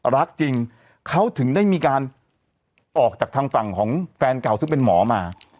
รักจริงเขาถึงได้มีการออกจากทางฝั่งของแฟนเก่าซึ่งเป็นหมอมา